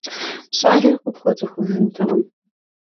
Щӏалэр къыпхуэцӀыхужынтэкъым.